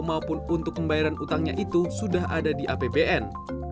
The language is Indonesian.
maupun untuk pembayaran utangnya itu sudah ada di apbn